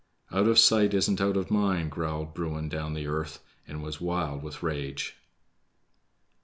"Out of sight isn't out of mind," growled Bruin down the earth, and was wild with rage.